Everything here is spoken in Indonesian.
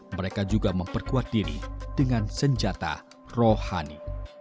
mereka juga memperkuat diri dengan senjata rohani